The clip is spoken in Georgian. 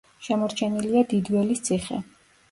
შემორჩენილია დიდველის ციხე.